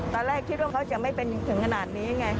ตอนแรกคิดว่าเขาจะไม่เป็นถึงขนาดนี้ไง